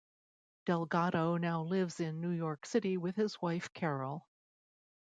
Delgado now lives in New York City with his wife Carole.